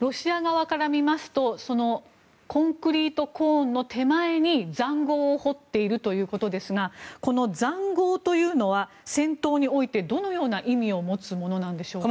ロシア側から見るとコンクリートコーンの手前に塹壕を掘っているということですがこの塹壕というのは戦闘においてどのような意味を持つものなんでしょうか。